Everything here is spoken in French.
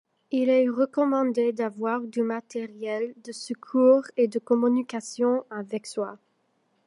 Il est recommandé d'avoir du matériel de secours et de communication avec soi.